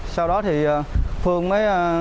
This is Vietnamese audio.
sau đó thì phương mới